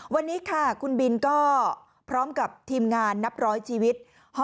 วันนี้ค่ะคุณบินก็พร้อมกับทีมงานนับร้อยชีวิต